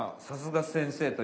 さすが先生。